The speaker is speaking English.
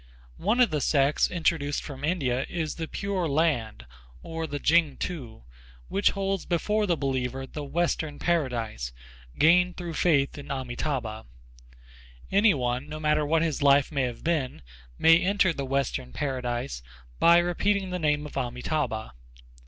One of the sects introduced from India is the Pure Land or the Ching T'u which holds before the believer the "Western Paradise" gained through faith in Amitâbha. Any one, no matter what his life may have been, may enter the Western Paradise by repeating the name of Amitâbha.